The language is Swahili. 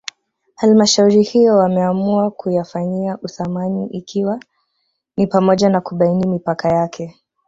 Halmshauri hiyo wameamua kuyafanyia uthamini ikiwa ni pamoja na kubaini mipaka yake